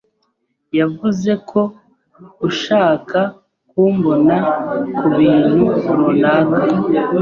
yavuze ko ushaka kumbona kubintu runaka?